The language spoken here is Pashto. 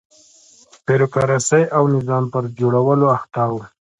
بیروکراسۍ او نظام پر جوړولو اخته و.